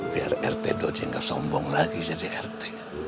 biar rt dodi nggak sombong lagi jadi rt